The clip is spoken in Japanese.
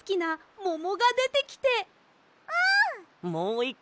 うん！